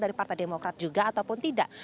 apakah suara dari partai demokrat juga ataupun tidak